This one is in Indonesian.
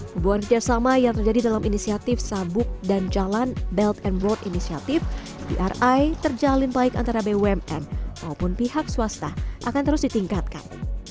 hubungan kerjasama yang terjadi dalam inisiatif sabuk dan jalan belt and world initiativeri terjalin baik antara bumn maupun pihak swasta akan terus ditingkatkan